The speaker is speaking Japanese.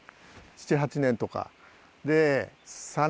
７８年とか。